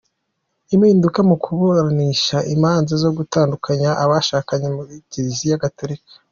Impinduka mu kuburanisha imanza zo gutandukanya abashakanye muri Kiliziya Gatolika.